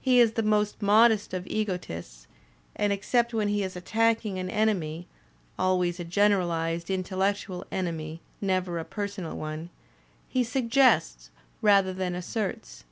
He is the most modest of egotists, and, except when he is attacking an enemy (always a generalized intellectual enemy, never a personal one), he suggests rather than asserts.